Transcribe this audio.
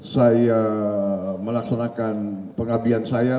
saya melaksanakan pengabdian saya